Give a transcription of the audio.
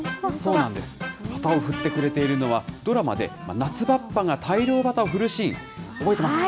そうなんです、旗を振ってくれているのは、ドラマで夏ばっぱが大漁旗を振るシーン、覚えてますか？